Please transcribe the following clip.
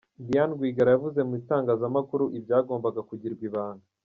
Diane Rwigara yavuze mu itangazamakuru ibyagombaga kugirwa ibanga!